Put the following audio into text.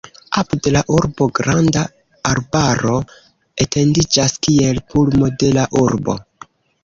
Apud la urbo granda arbaro etendiĝas, kiel pulmo de la urbo.